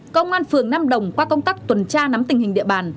công an phường nam đồng qua công tác tuần tra nắm tình hình địa bàn